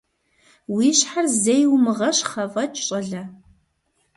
Уи щхьэр зэи умыгъэщхъ афӀэкӀ, щӀалэ!